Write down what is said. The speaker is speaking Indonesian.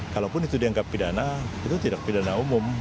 kalaupun itu dianggap pidana itu tidak pidana umum